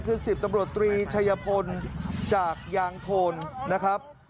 คือ๑๐ตำรวจตรีชัยพลจากยางโทนนะครับ